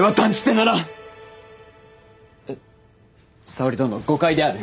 沙織殿誤解である。